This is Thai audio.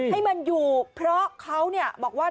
ให้มันอยู่เพราะเขาบอกว่า